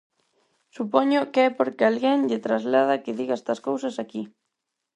Supoño que é porque alguén lle traslada que diga estas cousas aquí.